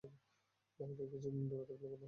বাড়ি থেকে কিছুদিন দূরে থাকলে ভালো হবে।